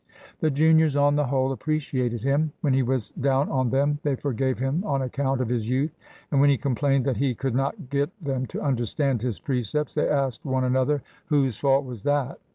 The juniors, on the whole, appreciated him. When he was down on them they forgave him on account of his youth, and when he complained that he could not get them to understand his precepts, they asked one another whose fault was that.